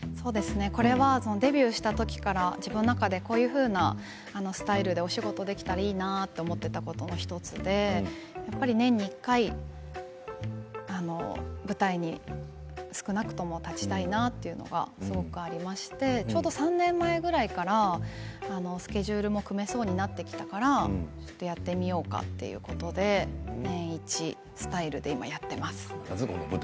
これはデビューしたときから自分の中でこういうふうなスタイルでお仕事ができたらいいなと思っていたことの１つで年に１回舞台に少なくとも立ちたいなというのがすごくありましてちょうど３年前ぐらいからスケジュールも組めそうになってきたからちょっとやってみようかということで年一スタイルで今やっています。